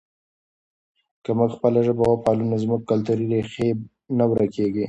که موږ خپله ژبه وپالو نو زموږ کلتوري ریښې نه ورکېږي.